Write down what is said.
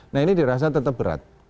nah ini dirasa tetap berat